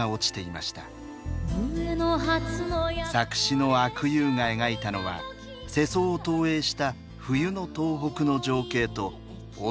作詞の阿久悠が描いたのは世相を投影した冬の東北の情景と女の別れの言葉。